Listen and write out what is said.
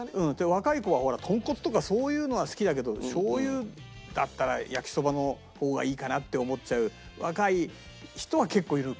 若い子はほら豚骨とかそういうのは好きだけどしょう油だったら焼きそばの方がいいかなって思っちゃう若い人は結構いるかもしれない。